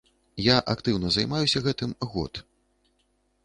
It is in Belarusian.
Я актыўна займаюся гэтым год.